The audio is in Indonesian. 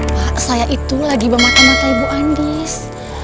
pak saya itu lagi mematah matahi bu andis